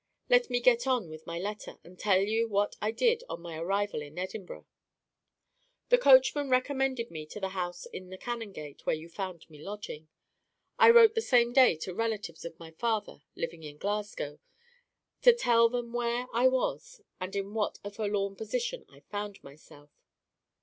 Let me get on with my letter, and tell you what I did on my arrival in Edinburgh. "The coachman recommended me to the house in the Canongate where you found me lodging. I wrote the same day to relatives of my father, living in Glasgow, to tell them where I was, and in what a forlorn position I found myself.